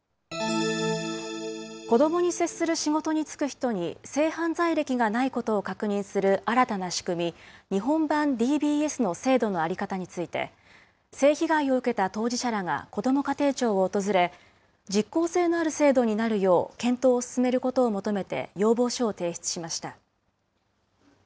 子どもに接する仕事に就く人に性犯罪歴がないことを確認する新たな仕組み、日本版ＤＢＳの制度の在り方について、性被害を受けた当事者らがこども家庭庁を訪れ、実効性のある制度になるよう検討を進めることを求めて要望書を提出しました。